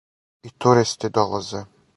И туристи долазе.